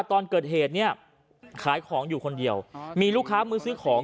ตอนเกิดเหตุเนี่ยขายของอยู่คนเดียวมีลูกค้ามือซื้อของ